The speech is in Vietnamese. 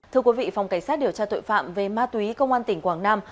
thưa quý vị phòng cảnh sát điều tra tội phạm về ma túy công an tỉnh quảng nam